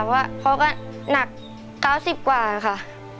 เพราะพ่อก็หนัก๙๐กว่าอะค่ะ